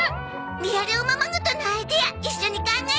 リアルおままごとのアイデア一緒に考えてくれたの。